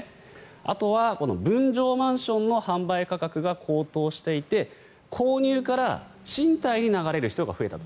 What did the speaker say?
あとは、分譲マンションの販売価格が高騰していて購入から賃貸に流れる人が増えたと。